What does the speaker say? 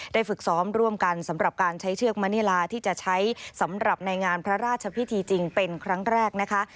ฝึกซ้อมร่วมกันสำหรับการใช้เชือกมณีลาที่จะใช้สำหรับในงานพระราชพิธีจริงเป็นครั้งแรกนะคะ